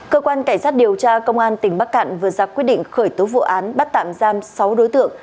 cơ quan cảnh sát điều tra công an tỉnh bắc cạn vừa ra quyết định khởi tố vụ án bắt tạm giam sáu đối tượng